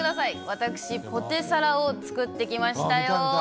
私、ポテサラを作ってきましたよ。